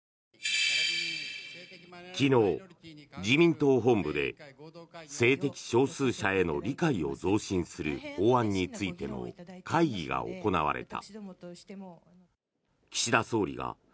昨日、自民党本部で性的少数者への理解を増進する法案についての会議が行われた。